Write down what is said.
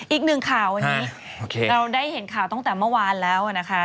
อีกหนึ่งข่าววันนี้เราได้เห็นข่าวตั้งแต่เมื่อวานแล้วนะคะ